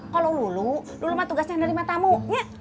kalau lulu lulu mah tugasnya nerima tamu ya